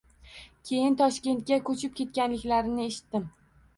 Keyin Toshkentga ko‘chib ketganliklarini eshitdim.